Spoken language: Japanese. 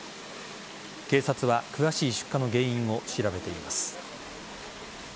警察は詳しい出火の原因を調べています。